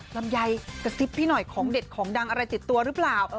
ลำไยกระซิบพี่หน่อยของเด็ดของดังอะไรติดตัวหรือเปล่า